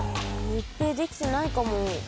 密閉できてないかも。